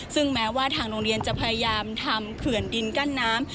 ซึ่งแม้ว่าทางโรงเรียนจะพยายามทำเขื่อนดินกั้นน้ำ